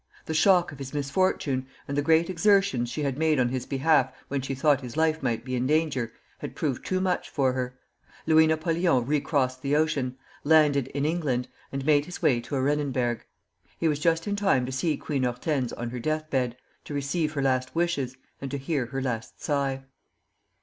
The shock of his misfortune, and the great exertions she had made on his behalf when she thought his life might be in danger, had proved too much for her. Louis Napoleon recrossed the ocean, landed in England, and made his way to Arenenberg. He was just in time to see Queen Hortense on her death bed, to receive her last wishes, and to hear her last sigh.